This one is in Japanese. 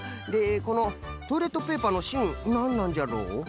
でこのトイレットペーパーのしんなんなんじゃろう？